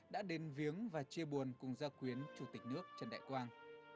đã đến viếng và chia buồn cùng gia quyến chủ tịch nước trần đại quang